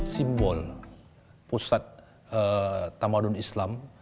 simbol pusat tamadun islam